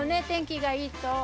天気がいいと。